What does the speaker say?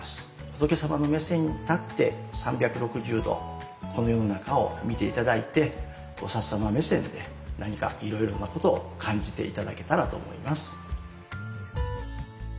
仏様の目線に立って３６０度この世の中を見て頂いて菩様目線で何かいろいろなことを感じて頂けたらと思います。